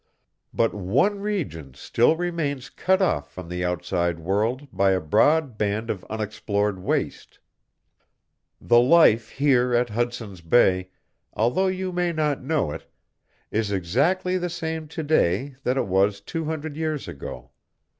"But one region still remains cut off from the outside world by a broad band of unexplored waste. The life here at Hudson's Bay although you may not know it is exactly the same to day that it was two hundred years ago.